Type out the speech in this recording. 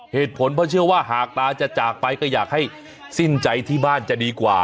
เหตุผลเพราะเชื่อว่าหากตาจะจากไปก็อยากให้สิ้นใจที่บ้านจะดีกว่า